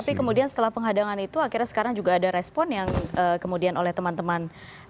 tapi kemudian setelah penghadangan itu akhirnya sekarang juga ada respon yang kemudian oleh teman teman